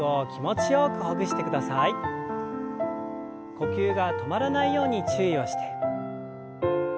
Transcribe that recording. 呼吸が止まらないように注意をして。